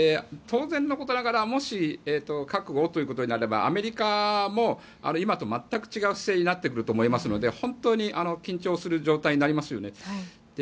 当然のことながらもし核をということになればアメリカも今と全く違う姿勢になってくると思いますので本当に緊張する状態になりますよね。